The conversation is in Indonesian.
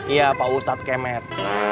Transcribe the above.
iya pak ustadz kemed